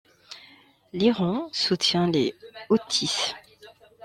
L'Iran soutient les Houthis.